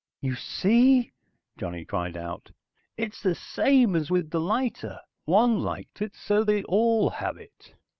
"You see?" Johnny cried out. "It's the same as with the lighter. One liked it, so they all have it!"